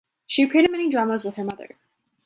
She appeared in many dramas with her mother.